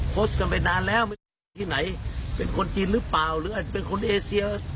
โพสต์กันไปนานแล้วไม่รู้ที่ไหนเป็นคนจีนหรือเปล่าหรืออาจจะเป็นคนเอเซีย